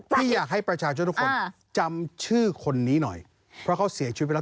พี่อยากให้ประชาชนทุกคนจำชื่อคนนี้หน่อยเพราะเขาเสียชีวิตไปแล้ว